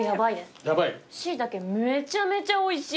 シイタケめちゃめちゃおいしい。